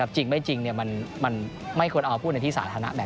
จริงไม่จริงมันไม่ควรเอาพูดในที่สาธารณะแบบ